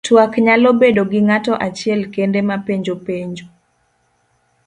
Twak nyalo bedo gi ng'ato achiel kende mapenjo penjo.